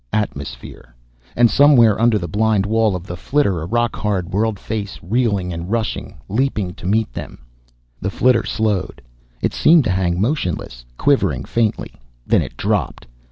Atmosphere. And somewhere under the blind wall of the flitter a rock hard world face reeling and rushing, leaping to meet them The flitter slowed. It seemed to hang motionless, quivering faintly. Then it dropped.